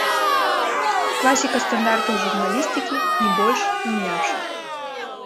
Класіка стандартаў журналістыкі, ні больш, ні менш.